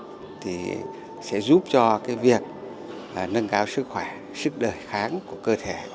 yoga và thiền sẽ giúp cho việc nâng cao sức khỏe sức đề kháng của cơ thể